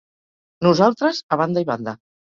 Nosaltres, a banda i banda.